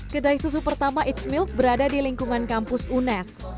kedai susu pertama it's milk berada di lingkungan kampus unes